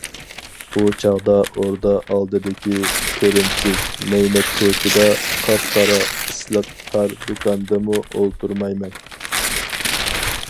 ئۇ چاغدا ئوردا ئالدىدىكى كۆرۈمسىز- مەينەت كوچىدا، قاپ قارا ئىسلىق تار دۇكاندىمۇ ئولتۇرمايمەن.